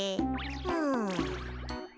うん。